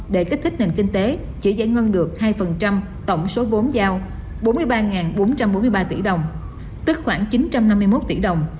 để kích thích nền kinh tế chỉ giải ngân được hai tổng số vốn giao bốn mươi ba bốn trăm bốn mươi ba tỷ đồng tức khoảng chín trăm năm mươi một tỷ đồng